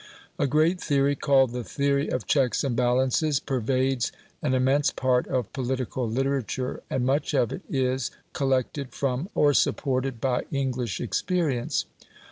A great theory, called the theory of "Checks and Balances," pervades an immense part of political literature, and much of it is collected from or supported by English experience.